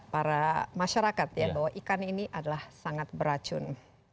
para masyarakat ya bahwa ikan ini adalah sangat beracun